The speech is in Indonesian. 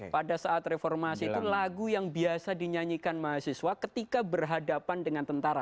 pada saat reformasi itu lagu yang biasa dinyanyikan mahasiswa ketika berhadapan dengan tentara